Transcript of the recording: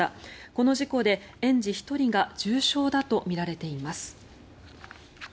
この事故で園児１人が重傷だとみられています。